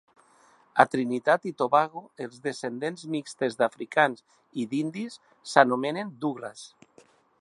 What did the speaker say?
A Trinitat i Tobago, els descendents mixtes d'africans i indis s'anomenen "douglas".